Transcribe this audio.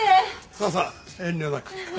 さあさあ遠慮なく。